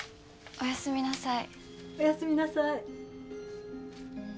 おやすみなさい。